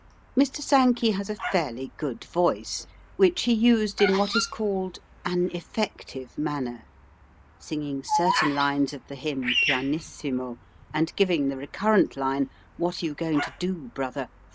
Mr Sankey has a fairly good voice, which he used in what is called "an effective" manner, singing certain lines of the hymn pianissimo, and giving the recurrent line, "What are you going to do, brother?"